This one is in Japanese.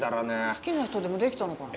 好きな人でもできたのかな？